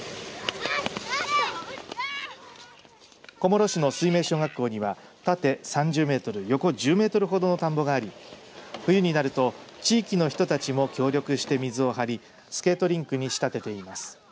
小諸市の水明小学校には縦３０メートル横１０メートルほどの田んぼがあり冬になると地域の人たちも協力して水を張りスケートリンクに仕立てています。